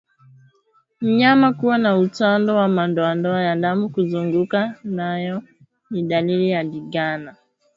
Mnyama kuwa na utando wa madoadoa ya damu kuzunguka moyo ni dalili ya ndigana